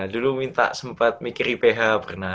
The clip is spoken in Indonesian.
dulu minta sempat mikir iph pernah